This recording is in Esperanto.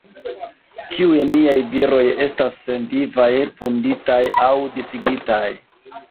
Ĉiuj miaj viroj estas senvivaj, vunditaj aŭ disigitaj.